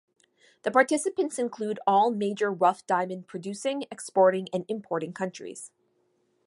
The participants include all major rough diamond producing, exporting and importing countries.